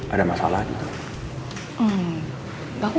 ada masalah gitu